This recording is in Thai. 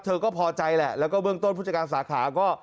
เธอก็พอใจแหละแล้วก็เบื้องต้นผู้จัดการสาขาก็